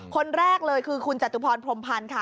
คนแรกเลยคือคุณจตุพรพรมพันธ์ค่ะ